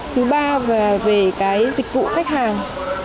thứ ba là về cái dịch vụ khách hàng